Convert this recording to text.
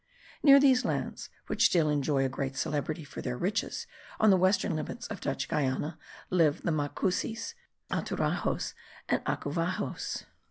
Near these lands, which still enjoy a great celebrity for their riches, on the western limits of Dutch Guiana, live the Macusis, Aturajos, and Acuvajos.